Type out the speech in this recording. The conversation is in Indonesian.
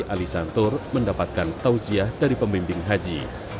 ali santur mendapatkan tausiah dari pembimbing haji